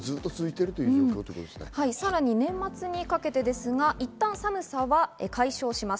さらに年末にかけてですが、いったん寒さは解消します。